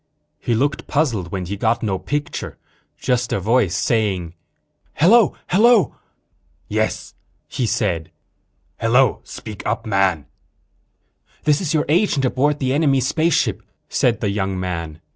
He looked puzzled when he got no picture, just a voice saying, "Hello, hello." "Yes?" he said. "Hello. Speak up, man." "This is your agent aboard the enemy spaceship," said the young man.